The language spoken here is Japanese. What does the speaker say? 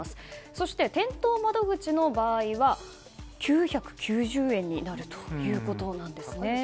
そして、店頭窓口の場合は９９０円になるということです。